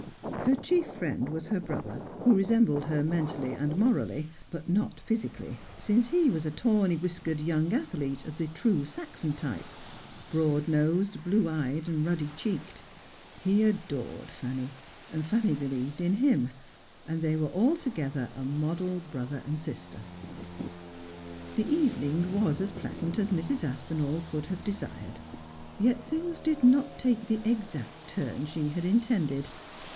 Her chief friend was her brother, who resembled her 78 Just as I Am. menially and morally, but not physically, since lie was a tawny whiskered young athlete, of the true Saxon type, broad nosed, blue eyed, ruddy cheeked. He adored Fanny ; Fanny believed in him ; and they were altogether a model brother and sister. The evening was as pleasant as Mrs. Aspinall could have desired. Yet things did not take the exact turn she had in tended.